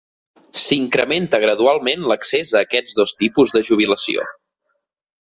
S'incrementa gradualment l'accés a aquests dos tipus de jubilació.